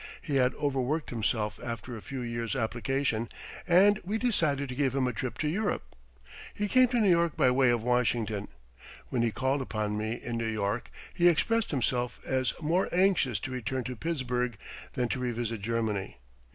He had overworked himself after a few years' application and we decided to give him a trip to Europe. He came to New York by way of Washington. When he called upon me in New York he expressed himself as more anxious to return to Pittsburgh than to revisit Germany.